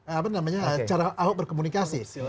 apa namanya cara ahok berkomunikasi